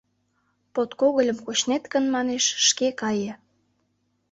— Подкогыльым кочнет гын, манеш, шке кае!